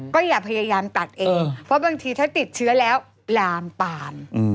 ก็อย่าพยายามตัดเองเพราะบางทีถ้าติดเชื้อแล้วลามปาน